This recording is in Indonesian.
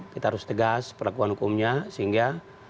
kita harus tegas perlakuan hukumnya sehingga